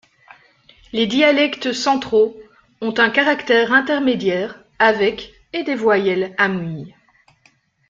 Les dialectes centraux ont un caractère intermédiaire avec et des voyelles amuies.